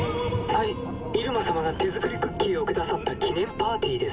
はい「イルマ様が手作りクッキーを下さった記念パーティー」ですね。